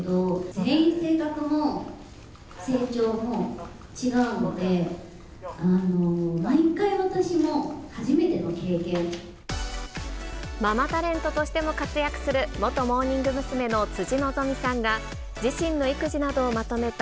全員性格も成長も違うので、ママタレントとしても活躍する元モーニング娘。の辻希美さんが、自身の育児などをまとめた、